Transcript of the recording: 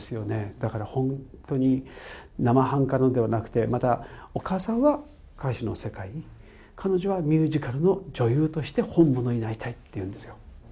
だから本当に生半可ではなくて、またお母さんは歌手の世界に、彼女はミュージカルの女優として本物になりたいって言うんですよ。